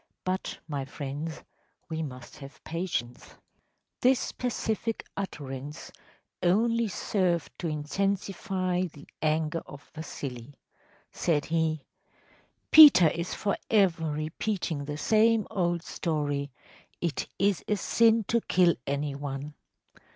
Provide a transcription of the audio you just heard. But, my friends, we must have patience.‚ÄĚ This pacific utterance only served to intensify the anger of Vasili. Said he: “Peter is forever repeating the same old story, ‚ÄėIt is a sin to kill any one.